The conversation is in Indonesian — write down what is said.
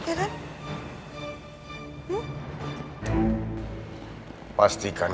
pastikan kak fanny berpikir